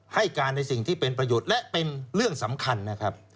ให้การในสิ่งที่เป็นประโยชน์และเป็นเรื่องสำคัญนะครับ